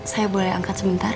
saya boleh angkat sebentar